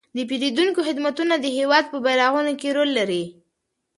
د پیرودونکو خدمتونه د هیواد په بیارغونه کې رول لري.